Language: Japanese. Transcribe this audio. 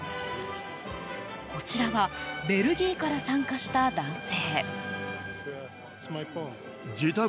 こちらはベルギーから参加した男性。